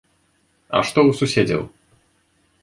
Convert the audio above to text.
А што ў суседзяў?